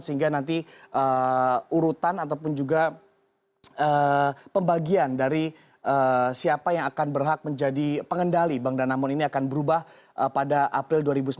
sehingga nanti urutan ataupun juga pembagian dari siapa yang akan berhak menjadi pengendali bank danamon ini akan berubah pada april dua ribu sembilan belas